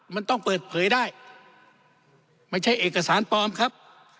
มันต้องเปิดเผยได้ไม่ใช่เอกสารปลอมครับ